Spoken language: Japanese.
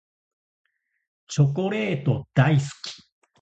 チョコレート大好き。